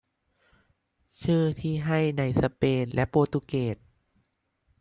ชื่อที่ให้ในสเปนและโปรตุเกส